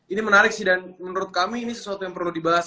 ini menarik sih dan menurut kami ini sesuatu yang perlu dibahas